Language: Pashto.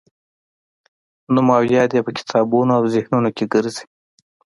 نوم او یاد یې په کتابونو او ذهنونو کې ګرځي.